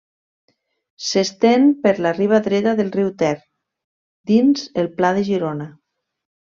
S'estén per la riba dreta del riu Ter, dins el pla de Girona.